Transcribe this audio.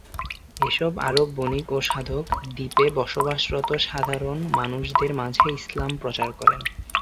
এসব আরব বণিক ও সাধক দ্বীপে বসবাসরত সাধারণ মানুষদের মাঝে ইসলাম প্রচার করেন।